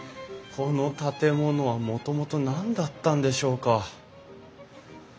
この建物はもともと何だったんでしょうか？